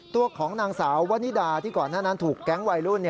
ตัวของนางสาววนิดาที่ก่อนหน้านั้นถูกแก๊งวัยรุ่น